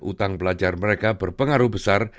utang pelajar mereka berpengaruh besar